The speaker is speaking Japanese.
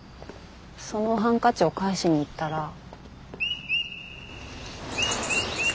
そのハンカチを返しに行ったら。